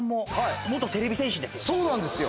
そうなんですよ！